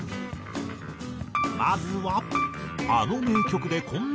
まずは。